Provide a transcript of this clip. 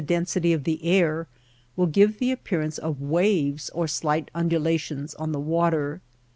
density of the air will give the appearance of waves or slight undulations on the water.